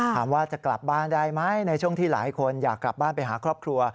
ถามว่าจะกลับบ้านได้ไหมในช่วงที่หลายคนอยากกลับบ้านไปหาครอบครัว